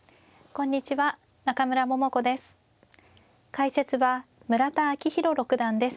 解説は村田顕弘六段です。